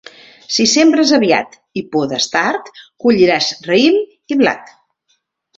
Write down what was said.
Si sembres aviat i podes tard, colliràs raïm i blat.